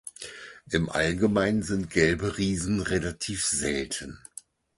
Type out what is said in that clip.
Im Allgemeinen sind Gelbe Riesen relativ selten.